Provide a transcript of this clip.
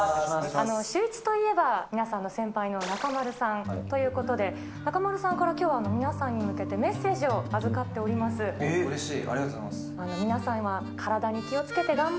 シューイチといえば、皆さんの先輩の中丸さんということで、中丸さんからきょうは皆さんに向けて、メッセージを預かっておりうれしい。